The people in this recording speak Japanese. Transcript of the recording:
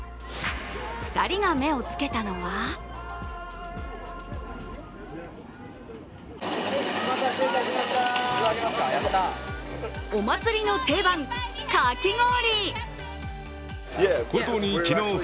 ２人が目をつけたのはお祭りの定番、かき氷。